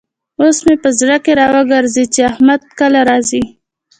اوس مې په زړه کې را وګرزېد چې احمد کله راځي.